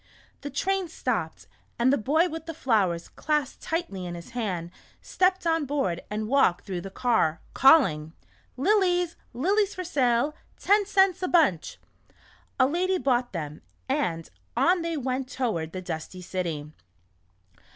The train stopped, and the boy with the flowers clasped tightly in his hand, stepped on board and walked through the car, calling :" Lilies, lilies for sale, ten cents a bunch !" A lady bought them, and on they went toward the dusty city.